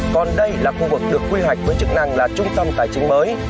còn đây là khu vực được quy hoạch với chức năng là trung tâm tài chính mới